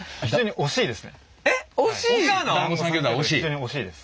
惜しいです。